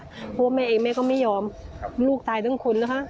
เพราะว่าแม่เองแม่ก็ไม่ยอมลูกตายทั้งคนนะคะ